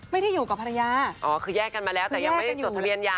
ไม่ได้อยู่กับภรรยาอ๋อคือแยกกันมาแล้วแต่ยังไม่ได้จดทะเบียนยา